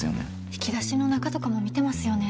引き出しの中とかも見てますよね。